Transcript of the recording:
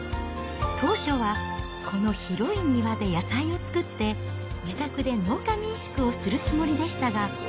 当初はこの広い庭で野菜を作って、自宅で農家民宿をするつもりでしたが。